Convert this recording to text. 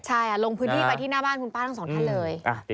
ใช่ลงพื้นที่ไปที่หน้าบ้านคุณป้าทั้งสองท่านเลย